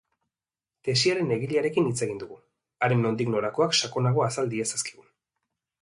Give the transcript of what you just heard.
Tesiaren egilearekin hitz egin dugu, haren nondik norakoak sakonago azal diezazkigun.